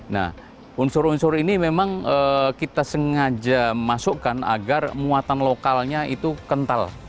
nah unsur unsur ini memang kita sengaja masukkan agar muatan lokalnya itu kental